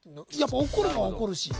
怒るものは怒るし。